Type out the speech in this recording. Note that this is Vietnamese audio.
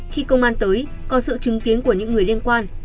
khi công an tới có sự chứng kiến của những người liên quan